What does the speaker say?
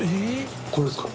これですか？